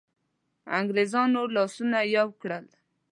انګرېزانو لاسونه یو کړل.